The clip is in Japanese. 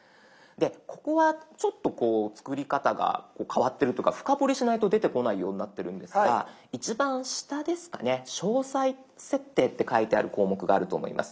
ここはちょっとこう作り方が変わってるというか深掘りしないと出てこないようになってるんですが一番下ですかね「詳細設定」って書いてある項目があると思います。